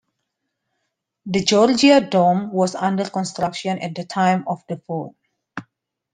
The Georgia Dome was under construction at the time of the vote.